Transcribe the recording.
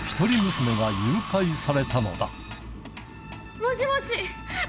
もしもし